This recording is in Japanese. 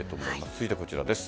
続いてはこちらです。